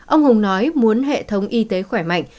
ông hùng nói muốn hệ thống y tế khỏe mạnh